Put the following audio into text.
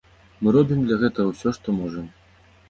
Мы робім для гэтага усё, што можам.